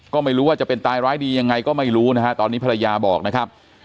ก็ไม่รู้ว่าจะเป็นตายร้ายดียังไงก็ไม่รู้นะฮะตอนนี้ภรรยาบอกนะครับ